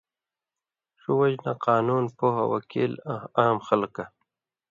ݜُو وجہۡ نہ قانُون پوہہۡ، وکیلہ آں عام خلکہ